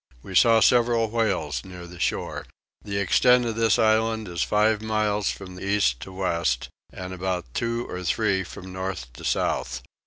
We saw several whales near the shore. The extent of this island is five miles from east to west; and about two or three from north to south.